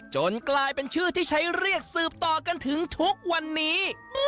จนกลายเป็นชื่อที่ใช้เรียกสืบต่อกันถึงทุกวันนี้